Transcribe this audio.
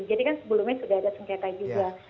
jadi kan sebelumnya sudah ada sengketa juga